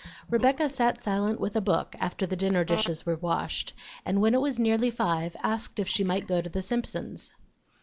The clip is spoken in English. Rebecca sat silent with a book after the dinner dishes were washed, and when it was nearly five asked if she might go to the Simpsons'.